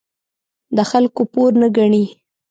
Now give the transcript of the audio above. د خلکو پور نه ګڼي.